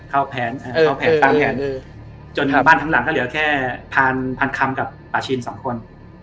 พรเป็นการเข้าแผนถึงบ้านทั้งหลักก็เดี๋ยวก็แค่พันคอมกับป่าชินสองคน